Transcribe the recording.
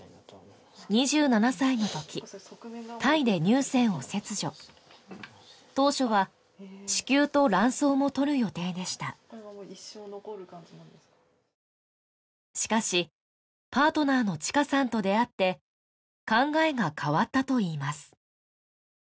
２７歳のときタイで乳腺を切除当初は子宮と卵巣も取る予定でしたしかしパートナーのちかさんと出会って考えが変わったといいます